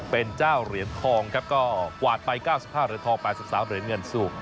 เป็นเจ้าเหรียญทองครับก็กวาดไป๙๕เหรียญทอง๘๓เหรียญเงินสู่